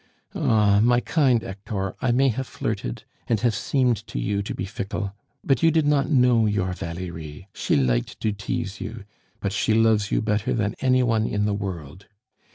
"Ah! my kind Hector, I may have flirted, and have seemed to you to be fickle, but you did not know your Valerie; she liked to tease you, but she loves you better than any one in the world.